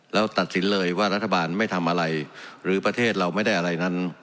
แล้วตัดสินเลยว่ารัฐบาลไม่ทำอะไรหรือประเทศเราไม่ได้อะไรนั้น